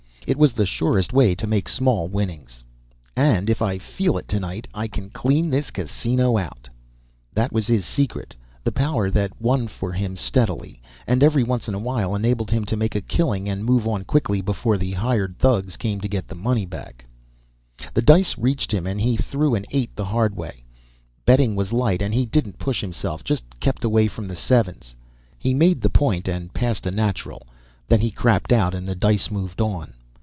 It was the surest way to make small winnings. And if I feel it tonight I can clean this casino out! That was his secret, the power that won for him steadily and every once in a while enabled him to make a killing and move on quickly before the hired thugs came to get the money back. The dice reached him and he threw an eight the hard way. Betting was light and he didn't push himself, just kept away from the sevens. He made the point and passed a natural. Then he crapped out and the dice moved on.